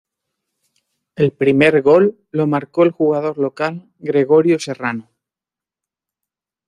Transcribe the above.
El primer gol lo marcó el jugador local Gregorio Serrano.